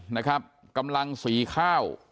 นะครับกำลังสีข้าว